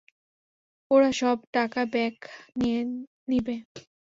ওরা সব টাকা ব্যাক নিয়ে নিবে।